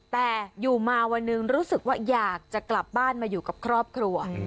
แต่อยู่มาวันหนึ่งรู้สึกว่าอยากจะกลับบ้านมาอยู่กับครอบครัว